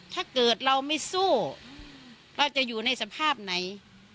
ถ้าเกิดเราไม่สู้เราจะอยู่ในสภาพไหน